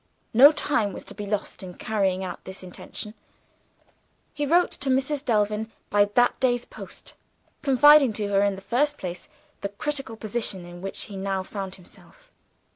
No time was to be lost in carrying out this intention. He wrote to Mrs. Delvin by that day's post; confiding to her, in the first place, the critical position in which he now found himself.